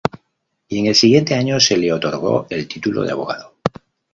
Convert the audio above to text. Y en el siguiente año se le otorgó el título de abogado.